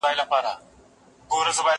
زه له سهاره ږغ اورم!!